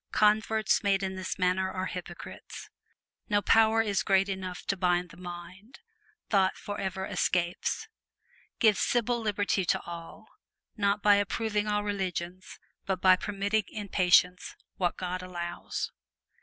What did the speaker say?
Converts made in this manner are hypocrites. No power is great enough to bind the mind thought forever escapes. Give civil liberty to all, not by approving all religions, but by permitting in patience what God allows."